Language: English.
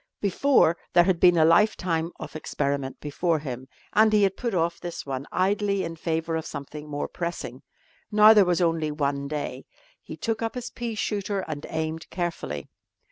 Before there had been a lifetime of experiment before him, and he had put off this one idly in favour of something more pressing. Now there was only one day. He took up his pea shooter and aimed carefully.